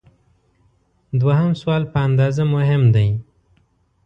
دوهم سوال په اندازه مهم دی.